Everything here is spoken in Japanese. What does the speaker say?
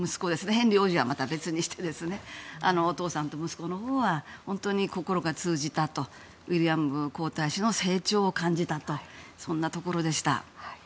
ヘンリー王子はまた別にしてお父さんと息子のほうは心は通じたとウィリアム皇太子の成長を感じたとそんなところでした。